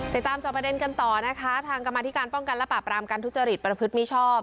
จอบประเด็นกันต่อนะคะทางกรรมธิการป้องกันและปราบรามการทุจริตประพฤติมิชอบ